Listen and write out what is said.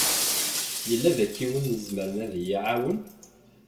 Yella daki win i izemren ad yi-iɛawen?